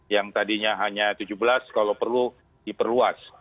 yang tadinya hanya tujuh belas kalau perlu diperluas